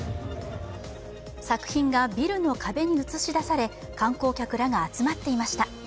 作品がビルの壁に映し出され観光客らが集まっていました。